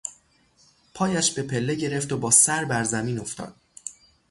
پایش به پله گرفت و با سر بر زمین افتاد.